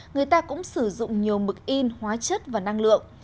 người ta cũng sử dụng nhiều mực in hóa chất và năng lượng